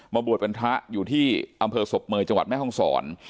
บวชเป็นพระอยู่ที่อำเภอศพเมย์จังหวัดแม่ห้องศร